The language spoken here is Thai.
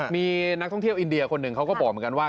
มีนักท่องเที่ยวอินเดียคนหนึ่งเขาก็บอกเหมือนกันว่า